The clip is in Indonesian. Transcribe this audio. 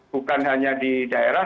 bukan hanya di daerah